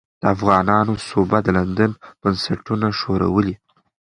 د افغانانو سوبه د لندن بنسټونه ښورولې.